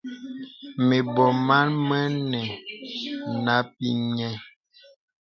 Mə̀bɔ̀ mə màn mə nə́ nə̀ bèpìghə̀.